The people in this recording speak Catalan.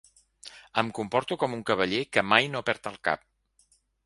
Em comporto com un cavaller que mai no perd el cap.